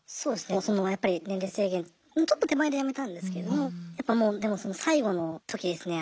そのやっぱり年齢制限のちょっと手前でやめたんですけどもやっぱもうでもその最後の時ですね